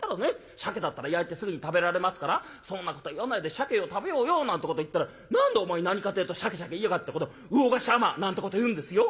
シャケだったら焼いてすぐに食べられますから『そんなこと言わないでシャケを食べようよ』なんてこと言ったら『何だお前何かってえとシャケシャケ言いやがってこの魚河岸海女！』なんてこと言うんですよ」。